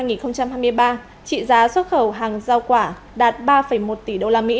trị giá xuất khẩu hàng do quả đạt ba một tỷ usd